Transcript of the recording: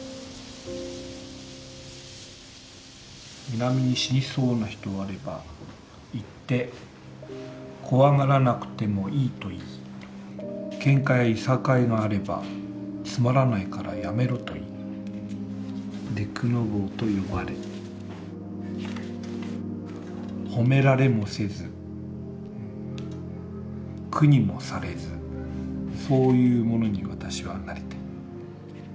「南に死にそうな人あれば行って恐がらなくてもいいといいケンカや諍いがあればつまらないからやめろといいデクノボーと呼ばれ褒められもせず苦にもされずそういうものに私はなりたい」。